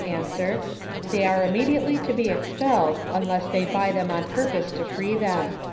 Answer. They are immediately to be expelled, unless they buy them on purpose to free them."